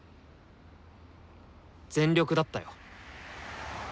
全力だったよ。